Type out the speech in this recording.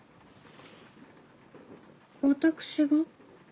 私が？